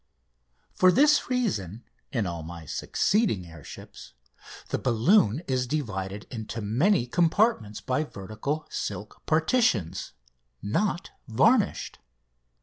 For this reason, in all my succeeding air ships, the balloon is divided into many compartments by vertical silk partitions, not varnished.